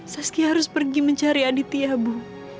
saski harus pergi mencari aditya bu